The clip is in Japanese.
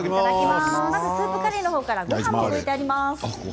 スープカレーの方からごはんも添えてあります。